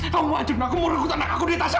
kamu wajib menang endurek tragedi anak aku di tasha